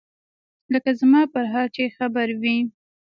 لکه زما پر حال چې خبر وي.